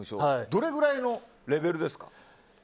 どれくらいのレベルですか？